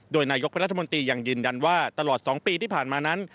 โดยนายกรัฐมนตรียังยืนยันว่าตลอด๒ปีที่ผ่านมานั้น